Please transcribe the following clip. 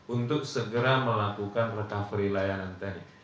untuk segera melakukan recovery layanan tadi